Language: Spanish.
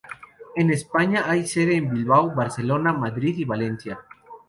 En España hay sede en Bilbao, Barcelona, Madrid y Valencia.